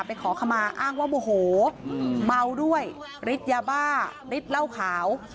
ขอขมาอ้างว่าโมโหเมาด้วยฤทธิ์ยาบ้าริดเหล้าขาว